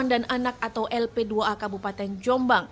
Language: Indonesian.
saya tetap berdoa